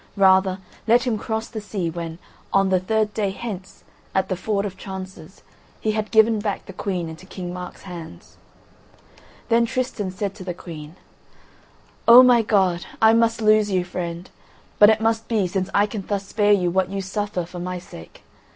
Rather let him cross the sea, when, on the third day hence, at the Ford of Chances, he had given back the Queen into King Mark's hands." Then Tristan said to the Queen: "O, my God! I must lose you, friend! But it must be, since I can thus spare you what you suffer for my sake.